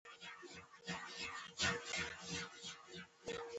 الماري د زوړ لباس خزانه ده